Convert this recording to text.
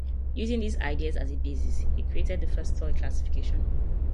Using these ideas as a basis, he created the first soil classification.